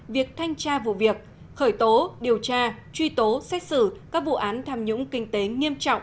việc thanh tra vụ việc khởi tố điều tra truy tố xét xử các vụ án tham nhũng kinh tế nghiêm trọng